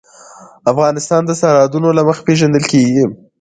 افغانستان د سرحدونه له مخې پېژندل کېږي.